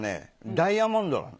ダイヤモンドなの。